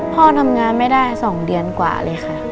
พ่อทำงานไม่ได้๒เดือนกว่าเลยค่ะ